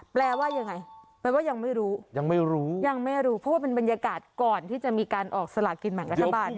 แปลว่ายังไงแปลว่ายังไม่รู้ยังไม่รู้เพราะว่าเป็นบรรยากาศก่อนที่จะมีการออกสละกินหมันกระทะบัน